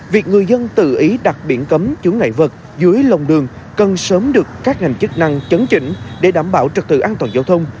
việc người dân tự ý đặt biển cấm chốn ngại vật dưới lòng đường cần sớm được các ngành chức năng chấn chỉnh để đảm bảo trật tự an toàn giao thông